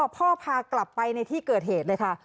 พากลับไปในที่เกิดเหตุเลยค่ะ